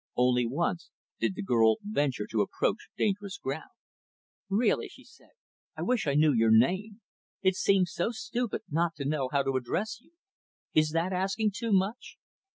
Only once, did the girl venture to approach dangerous ground. "Really," she said, "I wish I knew your name. It seems so stupid not to know how to address you. Is that asking too much?"